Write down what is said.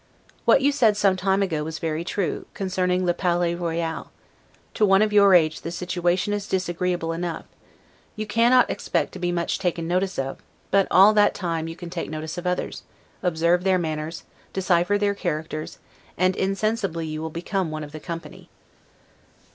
What you said some time ago was very true, concerning 'le Palais Royal'; to one of your age the situation is disagreeable enough: you cannot expect to be much taken notice of; but all that time you can take notice of others; observe their manners, decipher their characters, and insensibly you will become one of the company.